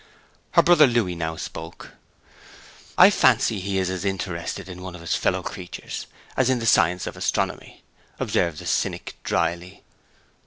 Her brother Louis now spoke. 'I fancy he is as interested in one of his fellow creatures as in the science of astronomy,' observed the cynic dryly.